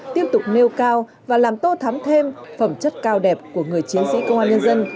tiếp tục nêu cao và làm tô thắm thêm phẩm chất cao đẹp của người chiến sĩ công an nhân dân